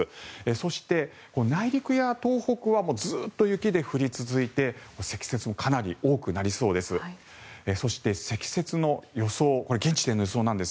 そして、内陸や東北はずっと雪が降り続いて積雪もかなり多くなりそうです。